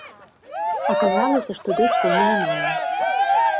Аказалася, што дыскаў мы не маем.